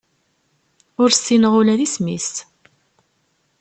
Ur ssineɣ ula d isem-is.